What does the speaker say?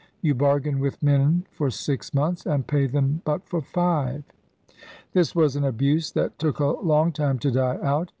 You bargain with men for six months And pay them but for jfive. This was an abuse that took a long time to die out.